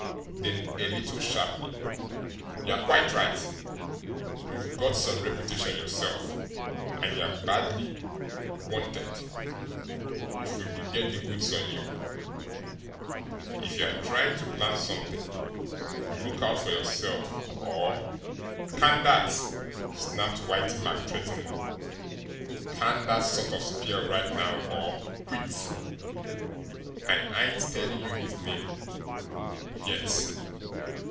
Then, a little sharply: "You're quite right; you've got some reputation yourself, and you're badly 'wanted' if we could get the 'goods' on you. If you're trying to plant something, look out for yourself, or " "Can that!" snapped Whitey Mack threateningly. "Can that sort of spiel right now or quit! I ain't telling you his name yet.